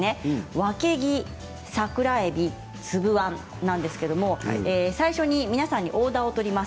わけぎ、桜えび、粒あんなんですけれども最初に皆さんにオーダーを取ります。